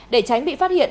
để tránh bị phát hiện